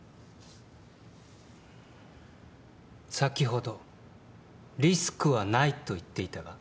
先ほどリスクはないと言っていたが？